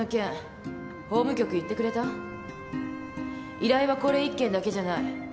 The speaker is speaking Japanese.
依頼はこれ１件だけじゃない。